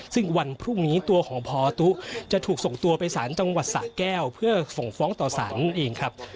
ซึ่งวันพรุ่งนี้ตัวของพอตุ๊จะถูกส่งตัวไปสารจังหวัดสะแก้วเพื่อส่งฟ้องต่อสารนั่นเองครับ